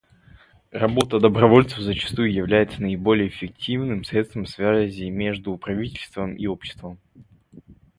Работа добровольцев зачастую является наиболее эффективным средством связи между правительством и обществом.